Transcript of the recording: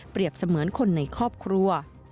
เปรียบเสมือนคนในครอบครัว